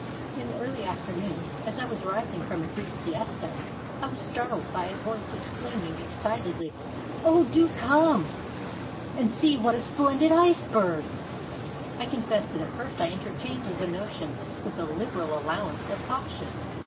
In the early afternoon, as I was rising from a brief siesta, I was startled by a voice exclaiming excitedly, 'Oh, do come and see such a splendid iceberg!' I confess that at first I entertained the notion with a liberal allowance of caution.